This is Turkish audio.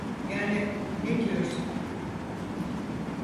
Yani ne diyorsun?